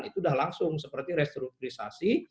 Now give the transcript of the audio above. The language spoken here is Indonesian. itu sudah langsung seperti restrukturisasi